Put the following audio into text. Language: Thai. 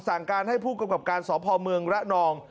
สั่งการให้ผู้กำกับการสพเมืองระนอง